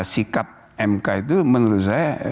sikap mk itu menurut saya